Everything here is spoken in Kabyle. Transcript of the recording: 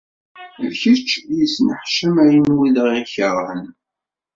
D kečč i yesneḥcamayen wid i aɣ-ikerhen.